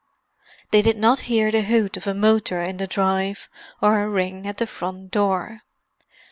They did not hear the hoot of a motor in the drive or a ring at the front door.